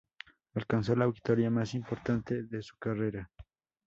Alcanzó la victoria más importante de su carrera.